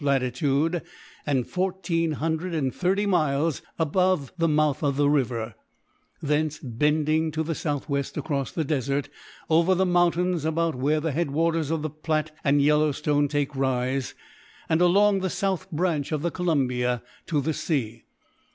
latitude, and fourteen hundred and thirty miles above the mouth of the river — thence, bending to the southwest across the desert, over the mountains about where the head waters of the Platte and Yellowstone take rise, and, along the south branch of the Columbia, to the sea.